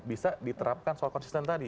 bisa diterapkan soal konsisten tadi